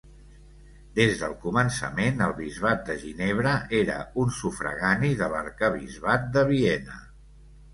Des del començament el bisbat de Ginebra era un sufragani de l'Arquebisbat de Viena.